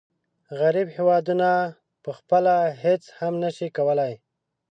غریب هېوادونه پخپله هیڅ هم نشي کولای.